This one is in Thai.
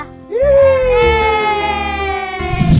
เย้